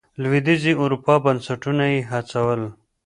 لوېدیځې اروپا بنسټونه یې هڅول.